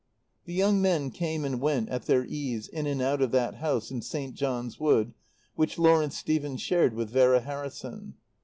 The young men came and went at their ease in and out of that house in St. John's Wood which Lawrence Stephen shared with Vera Harrison.